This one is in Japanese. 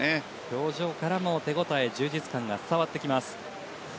表情からも手応え充実感が伝わってきます。